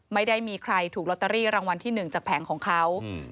ไม่ได้มีใครถูกลอตเตอรี่รางวัลที่หนึ่งจากแผงของเขา